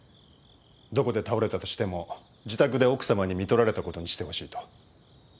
どこで倒れたとしても自宅で奥様に看取られた事にしてほしいと。